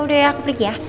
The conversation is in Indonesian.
udah ya aku pergi ya